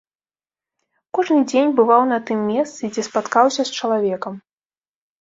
Кожны дзень бываў на тым месцы, дзе спаткаўся з чалавекам.